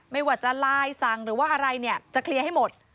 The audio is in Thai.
ไม่ว่าจะไลน์สั่งหรือว่าอะไรเนี่ยจะเคลียร์ให้หมด